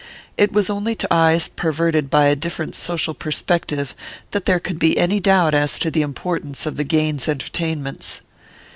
It was only to eyes perverted by a different social perspective that there could be any doubt as to the importance of the Gaines entertainments.